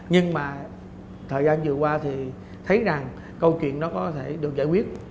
nhưng mà thời gian vừa qua thì thấy rằng câu chuyện nó có thể được giải quyết